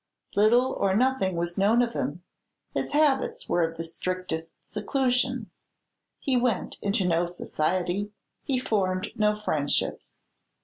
Little or nothing was known of him; his habits were of the strictest seclusion, he went into no society, he formed no friendships.